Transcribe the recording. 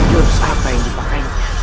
jurus apa yang dipakai